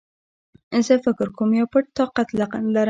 زه فکر کوم يو پټ طاقت لرم